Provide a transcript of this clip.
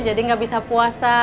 jadi gak bisa puasa